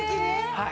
はい。